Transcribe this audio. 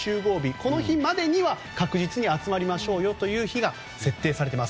この日までには、確実に集まりましょうよという日が設定されています。